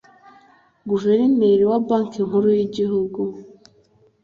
Guverineri wa banki nkuru y’igihugu